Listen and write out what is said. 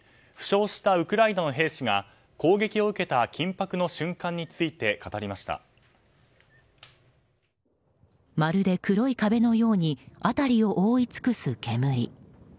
負傷したウクライナの兵士が攻撃を受けた緊迫の瞬間についてまるで黒い壁のように辺りを覆い尽くす煙。